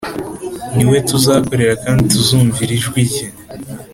ni we tuzakorera kandi tuzumvira ijwi rye